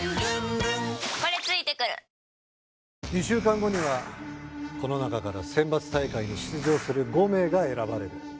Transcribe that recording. ２週間後にはこの中から選抜大会に出場する５名が選ばれる。